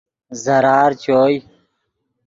ضرار چوئے